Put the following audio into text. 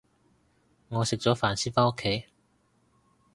我食咗飯先返屋企